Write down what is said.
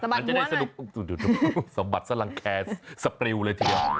สบัดบ้วนนะสบัดสลังแคร์สะปริวเลยเที่ยว